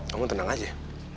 kamu tenang aja